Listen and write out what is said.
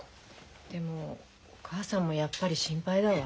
でもお母さんもやっぱり心配だわ。